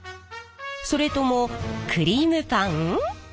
それともクリームパン？